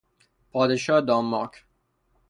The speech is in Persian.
پادشاه دانمارک